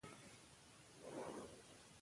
ډيپلومات د نړیوالو پروژو لپاره مرسته کوي.